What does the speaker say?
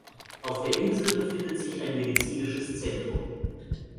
Auf der Insel befindet sich ein Medizinisches Zentrum.